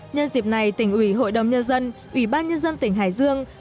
nhân dịp này tỉnh ủy hội đồng nhân dân ủy ban nhân dân tỉnh hải dương